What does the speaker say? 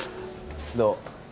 どう？